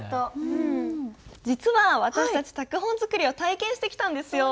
実は私たち拓本作りを体験してきたんですよ。